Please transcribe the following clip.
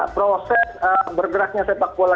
proses bergeraknya sepak bola